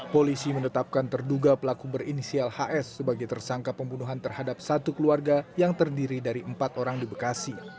polisi menetapkan terduga pelaku berinisial hs sebagai tersangka pembunuhan terhadap satu keluarga yang terdiri dari empat orang di bekasi